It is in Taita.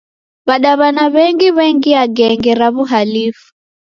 W'adaw'ana w'engi w'engia genge ra w'uhalifu.